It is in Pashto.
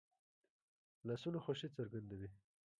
لاسونه خوښي څرګندوي